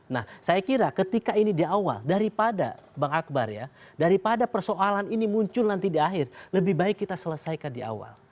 nah saya kira ketika ini di awal daripada bang akbar ya daripada persoalan ini muncul nanti di akhir lebih baik kita selesaikan di awal